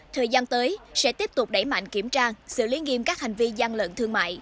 thời gian tới sẽ tiếp tục đẩy mạnh kiểm tra xử lý nghiêm các hành vi gian lận thương mại